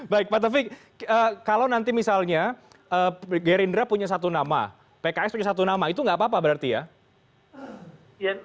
baik pak taufik kalau nanti misalnya gerindra punya satu nama pks punya satu nama itu nggak apa apa berarti ya